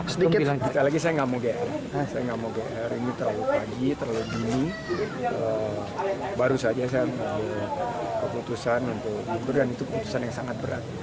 sekali lagi saya tidak mau gr ini terlalu pagi terlalu dini baru saja saya membuat keputusan untuk mundur dan itu keputusan yang sangat berat